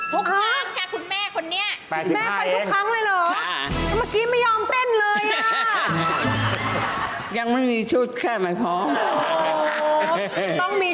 สุขภาพฯแก่คุณแม่คนนี้